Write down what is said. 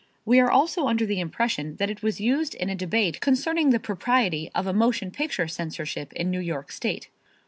We are also under the impression that it was used in a debate concerning the propriety of a motion picture censorship in New York state.